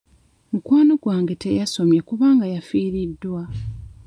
Mukwano gwange teyasomye kubanga yafiiriddwa.